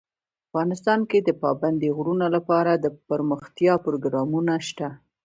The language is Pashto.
افغانستان کې د پابندی غرونه لپاره دپرمختیا پروګرامونه شته.